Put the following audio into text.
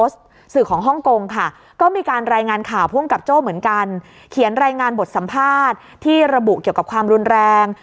สัมภาษณ์ที่ระบุเกี่ยวกับความรุนแรง